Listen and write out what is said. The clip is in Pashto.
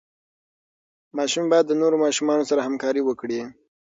ماشوم باید د نورو ماشومانو سره همکاري وکړي.